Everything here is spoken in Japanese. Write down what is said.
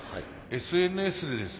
ＳＮＳでですね